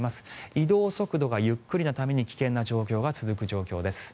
移動速度がゆっくりなために危険な状況が続く状況です。